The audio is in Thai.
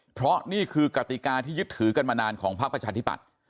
เพราะนี่คือกติกาที่ยึดถือกันมานานของพักประชาธิบัติ